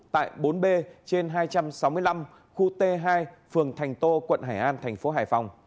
tại bốn b trên hai trăm sáu mươi năm khu t hai phường thành tô quận hải an thành phố hải phòng